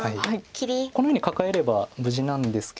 このようにカカえれば無事なんですけれども。